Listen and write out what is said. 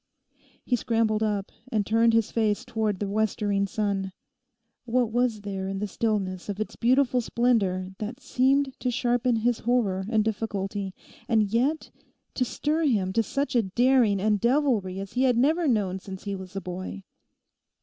He scrambled up and turned his face towards the westering sun. What was there in the stillness of its beautiful splendour that seemed to sharpen his horror and difficulty, and yet to stir him to such a daring and devilry as he had never known since he was a boy?